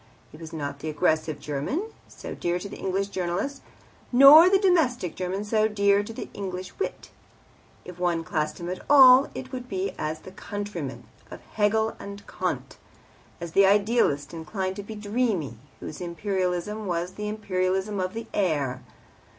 He was not the aggressive German, so dear to the English journalist, nor the domestic German, so dear to the English wit. If one classed him at all it would be as the countryman of Hegel and Kant, as the idealist, inclined to be dreamy, whose Imperialism was the Imperialism of the air.